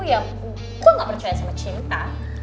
yang gue gak percaya sama cinta